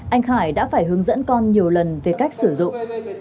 anh khải đã phải hướng dẫn con nhiều lần về cách sử dụng